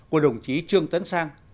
của đồng chí trương tấn sang